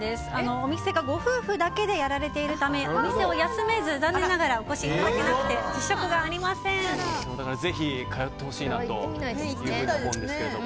お店がご夫婦だけでやられているためお店を休めず残念ながらお越しいただけなくてだからぜひ通ってほしいなと思います。